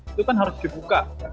itu kan harus dibuka